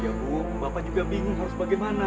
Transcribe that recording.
ya bu bapak juga bingung harus bagaimana